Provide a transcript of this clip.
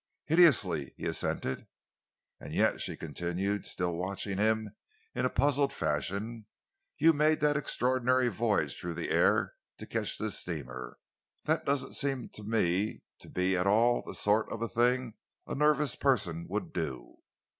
"Hideously," he assented. "And yet," she continued, still watching him in a puzzled fashion, "you made that extraordinary voyage through the air to catch this steamer. That doesn't seem to me to be at all the sort of thing a nervous person would do."